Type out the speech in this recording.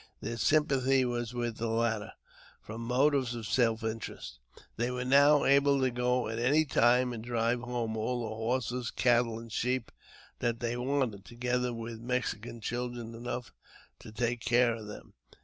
Their sympathy was with the latter, from motives of self in terest. They were now able to go at any time and drive home all the horses, cattle, and sheep that they wanted, together JAMES P. BECKWOUBTH. 411 with Mexican children enough to take care of them.